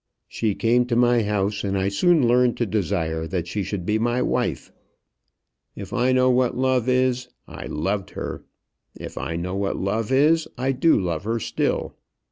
She came to my house, and I soon learned to desire that she should be my wife. If I know what love is, I loved her. If I know what love is, I do love her still.